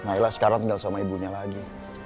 naila sekarang tinggal sama ibunya lagi